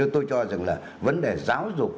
tôi cho rằng là vấn đề giáo dục